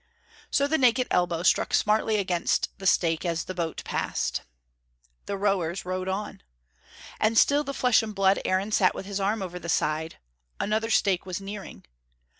So the naked elbow struck smartly against the stake as the boat passed. The rowers rowed on. And still the flesh and blood Aaron sat with his arm over the side. Another stake was nearing.